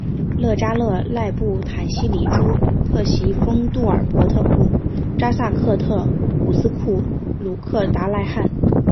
勒札勒喇布坦希哩珠特袭封杜尔伯特部札萨克特古斯库鲁克达赖汗。